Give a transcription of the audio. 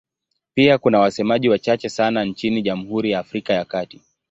Pia kuna wasemaji wachache sana nchini Jamhuri ya Afrika ya Kati.